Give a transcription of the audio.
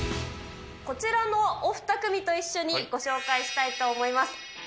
こちらのお２組と一緒にご紹介したいと思います。